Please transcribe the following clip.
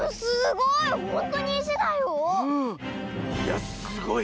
いやすごい。